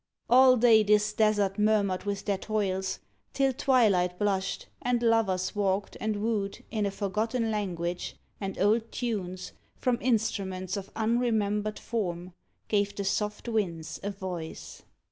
All day this desert murmured with their toils, Till twilight blushed, and lovers walked, and wooed In a forgotten language, and old tunes, From instruments of unremembered form, Gave the soft winds a voice.